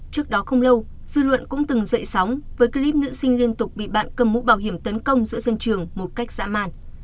trước đó không lâu dư luận cũng từng dậy sóng với clip nữ sinh liên tục bị bạn cầm mũ bảo hiểm tấn công giữa sân trường một cách dã màn